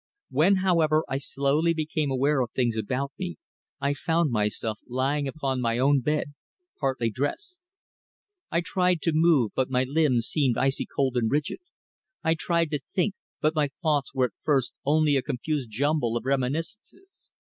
When, however, I slowly became aware of things about me, I found myself lying upon my own bed partly dressed. I tried to move, but my limbs seemed icy cold and rigid; I tried to think, but my thoughts were at first only a confused jumble of reminiscences.